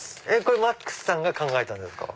マックスさんが考えたんですか？